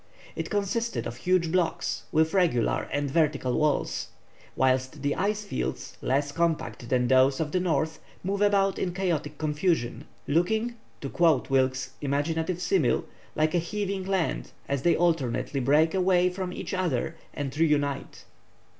It consisted of huge blocks, with regular and vertical walls, whilst the ice fields, less compact than those of the north, move about in chaotic confusion, looking, to quote Wilkes' imaginative simile, like a heaving land, as they alternately break away from each other and reunite.